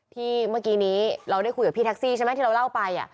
เมื่อกี้นี้เราได้คุยกับพี่แท็กซี่ใช่ไหมที่เราเล่าไป